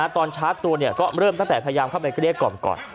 ตอนชาร์จตัวเนี่ยก็เริ่มตั้งแต่พยายามเข้าไปเกรกก่อน